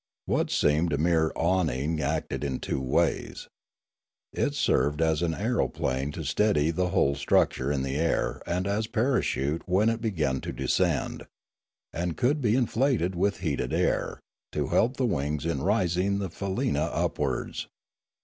What seemed a mere awning acted in two ways; it served as aeroplane to steady the whole structure in the air and as parachute when it began to descend; and could be inflated with heated air, to help the wings in raisiug the faleena upwards.